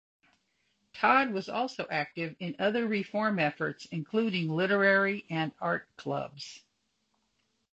Todd was also active in other reform efforts including literary and art clubs.